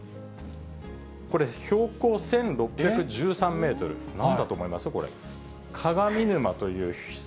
これ、標高１６１３メートル、なんだと思います？